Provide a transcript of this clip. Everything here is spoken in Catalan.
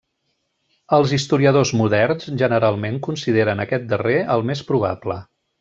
Els historiadors moderns generalment consideren aquest darrer el més probable.